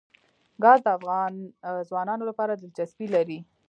ګاز د افغان ځوانانو لپاره دلچسپي لري.